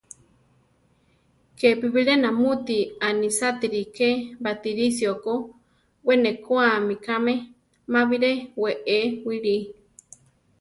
Kepi bilé namúti anisátiri ké Batirisio ko; we nekóami kame; má biré wée wili.